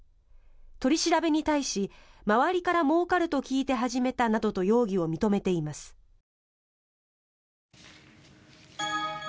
取り調べに対し周りからもうかると聞いて始めたと容疑を認めています。